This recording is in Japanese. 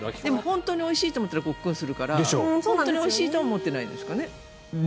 本当においしいと思ったらごっくんするから本当においしいとは思ってないんですかね。